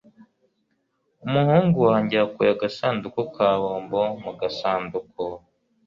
Umuhungu wanjye yakuye agasanduku ka bombo mu gasanduku.